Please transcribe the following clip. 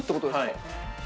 はい。